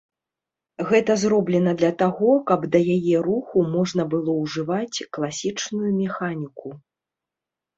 Гэта зроблена для таго, каб да яе руху можна было ўжываць класічную механіку.